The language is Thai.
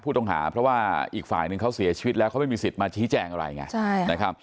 ผู้ต้องหาเพราะว่าอีกฝ่ายหนึ่งเขาเสียชีวิตแล้วเขาไม่มีสิทธิ์มาชี้แจงอะไรไงนะครับ